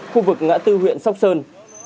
khu vực ngã tư huyện sóc sơn